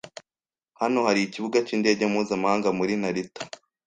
Hano hari ikibuga cyindege mpuzamahanga muri Narita.